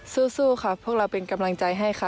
สู้ค่ะพวกเราเป็นกำลังใจให้ค่ะ